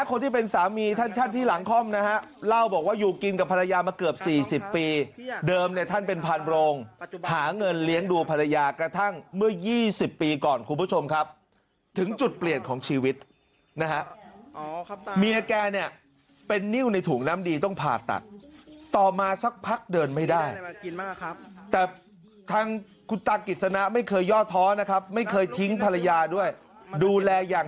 คนที่เป็นสามีท่านท่านที่หลังคล่อมนะฮะเล่าบอกว่าอยู่กินกับภรรยามาเกือบ๔๐ปีเดิมเนี่ยท่านเป็นพันโรงหาเงินเลี้ยงดูภรรยากระทั่งเมื่อ๒๐ปีก่อนคุณผู้ชมครับถึงจุดเปลี่ยนของชีวิตนะฮะเมียแกเนี่ยเป็นนิ้วในถุงน้ำดีต้องผ่าตัดต่อมาสักพักเดินไม่ได้แต่ทางคุณตากิจสนะไม่เคยย่อท้อนะครับไม่เคยทิ้งภรรยาด้วยดูแลอย่าง